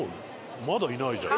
まだいないじゃん。